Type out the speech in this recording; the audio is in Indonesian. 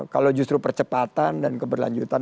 kalau justru percepatan dan keberlanjutan